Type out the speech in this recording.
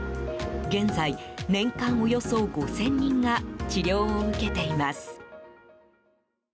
現在、年間およそ５０００人が治療を受けています。